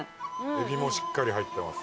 えびもしっかり入ってます。